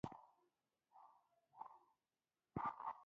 له کراماتو ډک پیر صاحب وایي چې د سولې تعویض راغلی.